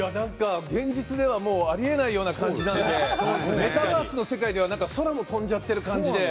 現実ではあり得ないような感じなのでメタバースの世界では空も飛んじゃってる感じで。